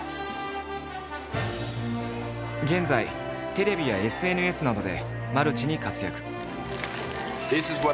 現在テレビやＳＮＳなどでマルチに活躍。